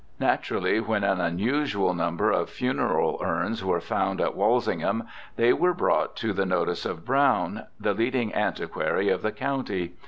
Naturally, when an unusual number of funeral urns were found at Walsingham, they were brought to the notice of Browne, the leading antiquary of the county.